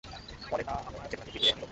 ফলে তা আমার চেতনাকে ফিরিয়ে নিল।